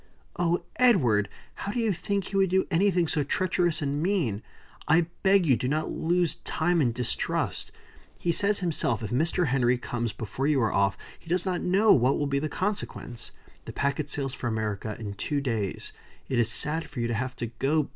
"Oh, Edward! How do you think he would do anything so treacherous and mean? I beg you not to lose time in distrust. He says himself, if Mr. Henry comes before you are off, he does not know what will be the consequence. The packet sails for America in two days. It is sad for you to have to go.